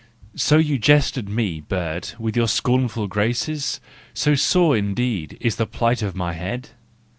So you jest at me, bird, with your scornful graces ? So sore indeed is the plight of my head